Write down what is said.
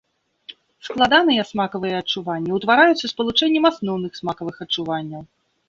Складаныя смакавыя адчуванні утвараюцца спалучэннем асноўных смакавых адчуванняў.